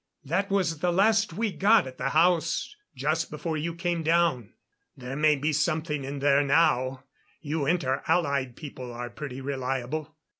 That was the last we got at the house, just before you came down. There may be something in there now you Inter Allied people are pretty reliable."